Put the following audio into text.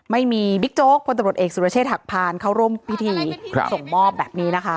บิ๊กโจ๊กพลตำรวจเอกสุรเชษฐหักพานเข้าร่วมพิธีส่งมอบแบบนี้นะคะ